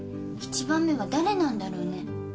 １番目は誰なんだろうね。